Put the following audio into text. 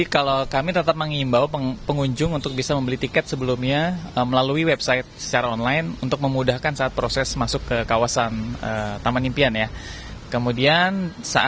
hal apa yang mungkin harus diperhatikan para pengunjung